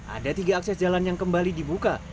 ada tiga akses jalan yang kembali dibuka